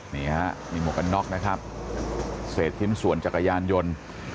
นี่ฮะมีหมวกกันน็อกนะครับเศษชิ้นส่วนจักรยานยนต์